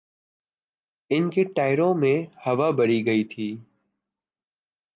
ان کے ٹائروں میں ہوا بھری گئی تھی۔